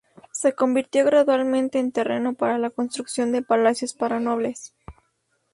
Se convirtió gradualmente en terreno para la construcción de palacios para nobles.